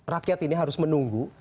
rakyat ini harus menunggu